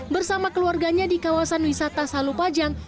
bersama keluarganya di kawasan wisata salupajang